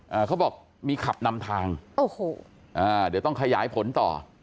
เขาบอกมีขับนำทางโอ้โหอ่าเดี๋ยวต้องขยายผลต่อ